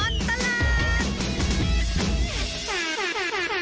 ชั่วตลอดตลาด